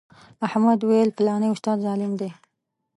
احمد ویل فلانی استاد ظالم دی.